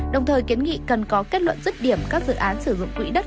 đồng thời kiến nghị cần có kết luận dứt điểm các dự án sử dụng quỹ đất